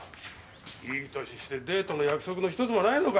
いい歳してデートの約束のひとつもないのか？